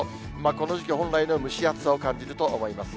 この時期本来の蒸し暑さを感じると思います。